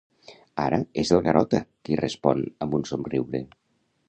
Ara és el Garota qui respon amb un somriure.